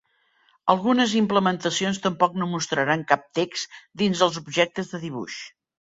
Algunes implementacions tampoc no mostraran cap text dins dels objectes de dibuix.